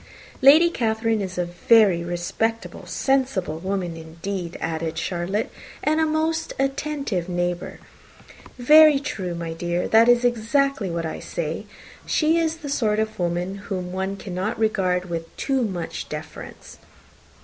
"Lady Catherine is a very respectable, sensible woman, indeed," added Charlotte, "and a most attentive neighbour." "Very true, my dear, that is exactly what I say. She is the sort of woman whom one cannot regard with too much deference."